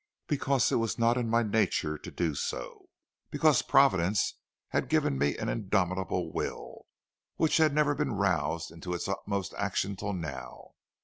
Because it was not in my nature to do so; because Providence had given me an indomitable will which had never been roused into its utmost action till now.